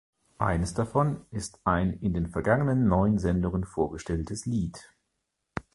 Eines davon ist ein in den vergangenen neun Sendungen vorgestelltes Lied.